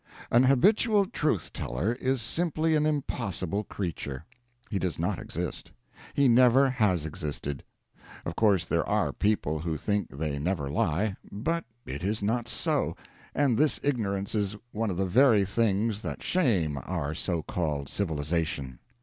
An habitual truth teller is simply an impossible creature; he does not exist; he never has existed. Of course there are people who think they never lie, but it is not so and this ignorance is one of the very things that shame our so called civilization.